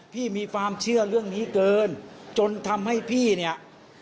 พี่มีความเชื่อเรื่องนี้เกินจนทำให้พี่เนี่ย